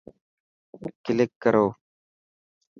ڪلڪ ڪرو.